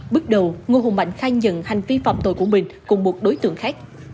bước đầu ngô hùng mạnh khai nhận hành vi phạm tội của mình cùng một đối tượng khác